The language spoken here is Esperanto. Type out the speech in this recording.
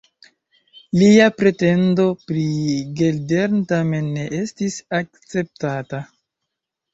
Lia pretendo pri Geldern tamen ne estis akceptata.